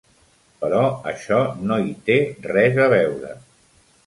Però això no hi té res a veure.